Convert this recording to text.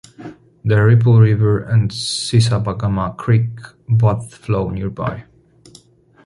The Ripple River and Sissabagamah Creek both flow nearby.